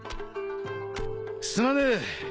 すまねえ。